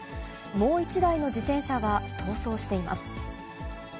もう１台の自転車は逃走しています。